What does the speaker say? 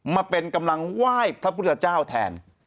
มาเป็นกำลังไหว้พระพุทธเจ้าแทน